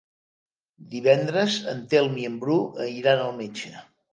Divendres en Telm i en Bru iran al metge.